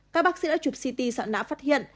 các bác sĩ đã chụp ct sợ não phát hiện